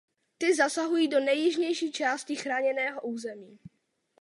Ty zasahují do nejjižnější části chráněného území.